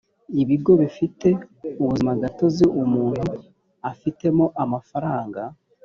ibigo bifte ubuzimagatozi umuntu afitemo amafaranga